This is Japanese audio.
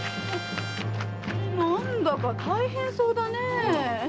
何だか大変そうだねえ。